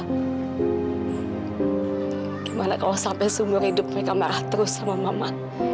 gimana kalau sampai seumur hidup mereka marah terus sama mama